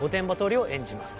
理を演じます。